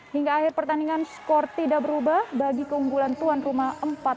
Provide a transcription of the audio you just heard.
hingga akhir pertandingan skor tidak berubah bagi keunggulan tuan rumah empat